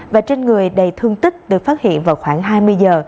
và trên người đầy thương tích được phát hiện vào khoảng hai mươi giờ